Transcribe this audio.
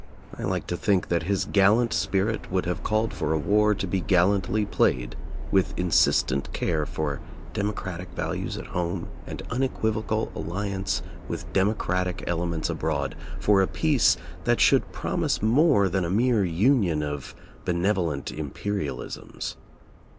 I like to think that his gallant spirit would have called for a war to be gallantly played, with insistent care for democratic values at home, and [in] unequivocal alliance with democratic elements abroad for a peace that should promise more than a mere union of benevolent imperialisms.